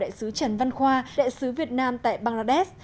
đại sứ trần văn khoa đại sứ việt nam tại bangladesh